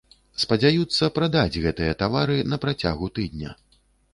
Спадзяюцца прадаць гэтыя тавары на працягу тыдня.